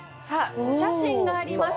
お写真があります。